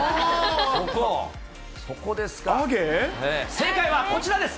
正解はこちらです。